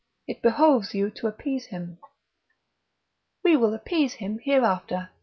it behoves you to appease him." "We will appease him hereafter!"